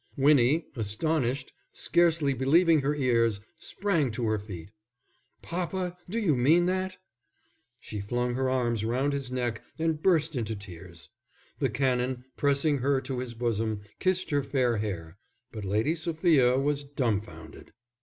Winnie, astonished, scarcely believing her ears, sprang to her feet. "Papa, do you mean that?" She flung her arms round his neck and burst into tears. The Canon, pressing her to his bosom, kissed her fair hair. But Lady Sophia was dumfounded.